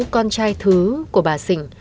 con trai thứ của bà dình